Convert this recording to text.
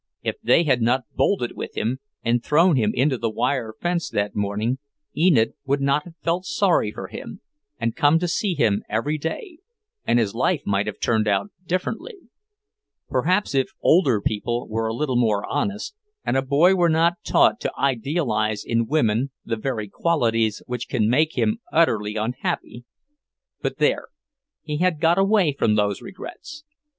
If they had not bolted with him and thrown him into the wire fence that morning, Enid would not have felt sorry for him and come to see him every day, and his life might have turned out differently. Perhaps if older people were a little more honest, and a boy were not taught to idealize in women the very qualities which can make him utterly unhappy But there, he had got away from those regrets.